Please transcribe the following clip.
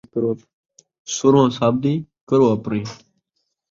سݨو سب دی ، کرو آپݨی